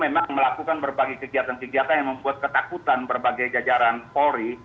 membuat kejadian perbuatan berbagai kejadian kejadian yang membuat ketakutan berbagai jajaran polri